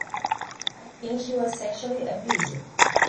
I think he was sexually abusive.